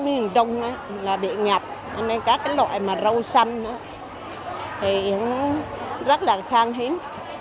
trong đó là bị nhập nên các loại mà râu xanh thì rất là khan hiếm